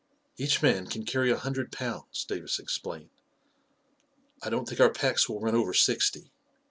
" Each man can carry a hundred pounds," Davis explained. " I don't think our packs will run over sixty.